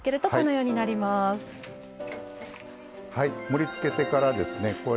盛りつけてからですね